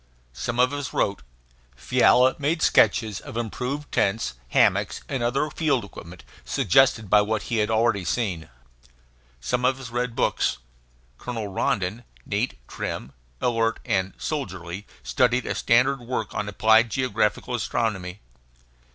Some of us wrote. Fiala made sketches of improved tents, hammocks, and other field equipment, suggested by what he had already seen. Some of us read books. Colonel Rondon, neat, trim, alert, and soldierly, studied a standard work on applied geographical astronomy.